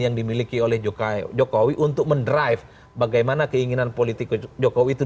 yang dimiliki oleh jokowi untuk mendrive bagaimana keinginan politik jokowi itu